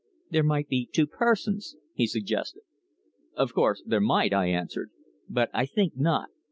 "There might be two persons," he suggested. "Of course there might," I answered. "But I think not.